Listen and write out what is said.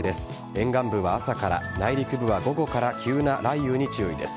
沿岸部は朝から内陸部は午後から急な雷雨に注意が必要です。